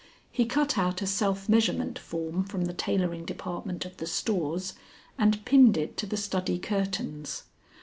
He cut out a self measurement form from the tailoring department of the Stores and pinned it to the study curtains.